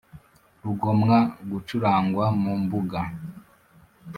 rugomwa bacuranga mu mbuga